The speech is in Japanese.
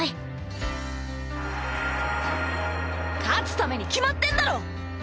勝つために決まってんだろ！